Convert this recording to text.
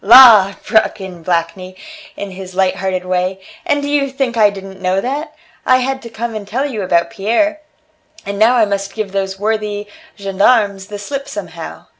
"La!" broke in Blakeney, in his light hearted way, "and do you think I didn't know that? I had to come and tell you about Pierre, and now I must give those worthy gendarmes the slip somehow.